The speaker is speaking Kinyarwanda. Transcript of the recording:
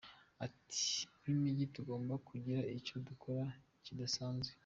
Ati”Nk’imijyi tugomba kugira icyo dukora kidasanzwe.